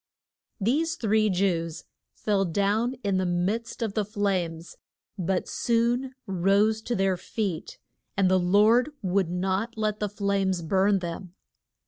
These three Jews fell down in the midst of the flames, but soon rose to their feet, and the Lord would not let the flames burn them.